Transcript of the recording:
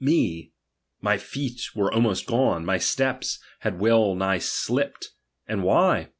me, my feet were almost gone, my steps had well ''' nigh slipped. And why